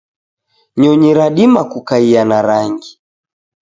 nyonyi radima kukaia na rangi.